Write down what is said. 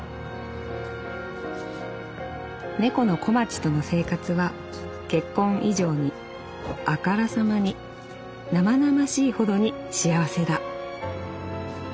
「猫の小町との生活は『結婚』以上にあからさまに生々しいほどに幸せだ」。